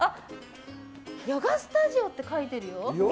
ヨガスタジオって書いてあるよ。